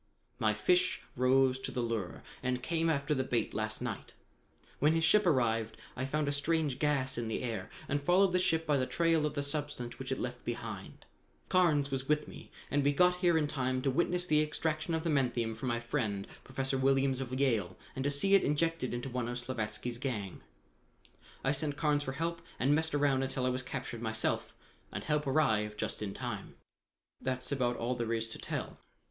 "My fish rose to the lure and came after the bait last night. When his ship arrived, I found a strange gas in the air, and followed the ship by the trail of the substance which it left behind it. Carnes was with me, and we got here in time to witness the extraction of the menthium from my friend, Professor Williams of Yale, and to see it injected into one of Slavatsky's gang. I sent Carnes for help and messed around until I was captured myself and help arrived just in time. That's about all there is to tell.